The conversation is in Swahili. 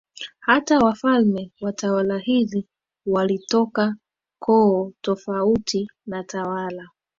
Hata wafalme wa tawala hizi walitoka koo tofauti na tawala